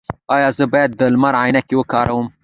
ایا زه باید د لمر عینکې وکاروم؟